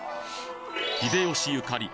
秀吉ゆかり